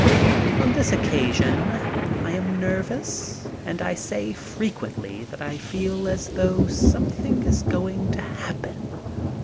On this occasion I am nervous and I say frequently that I feel as though something is going to happen.